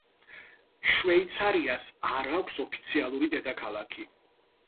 შვეიცარიას არ აქვს ოფიციალური დედაქალაქი.